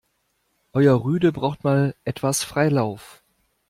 Euer Rüde braucht mal etwas Freilauf.